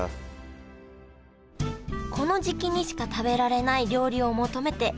この時期にしか食べられない料理を求めて多くの人が訪れます